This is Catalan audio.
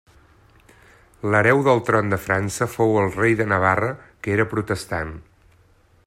L'hereu del tron de França fou el rei de Navarra que era protestant.